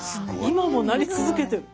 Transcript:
今もなり続けてる。